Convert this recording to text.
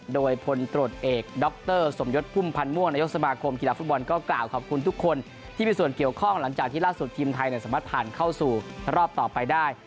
โดยพลตรวจเอกดรสมยศพุ่มพันธ์ม่วงนายกสมาคมกีฬาฟุตบอลก็กล่าวขอบคุณทุกคนที่มีส่วนเกี่ยวข้องหลังจากที่ล่าสุดทีมไทยสามารถผ่านเข้าสู่รอบต่อไปได้